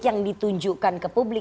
yang ditunjukkan ke publik